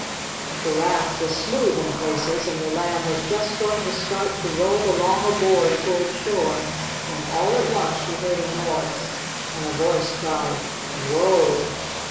The raft was smooth in places, and the Lamb was just going to start to roll along a board toward shore when, all at once, she heard a noise, and a voice cried: "Whoa!"